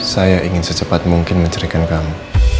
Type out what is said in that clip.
saya ingin secepat mungkin menceritakan kamu